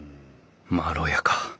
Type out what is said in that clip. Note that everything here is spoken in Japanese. まろやか。